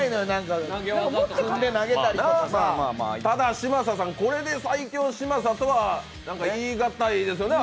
ただ嶋佐さん、これで最強・嶋佐とは言いがたいですよね。